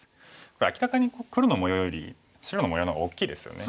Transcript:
これ明らかに黒の模様より白の模様の方が大きいですよね。